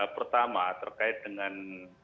pertama terkait dengan